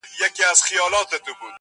o د نورو هغې نيمه، د انا دا يوه نيمه.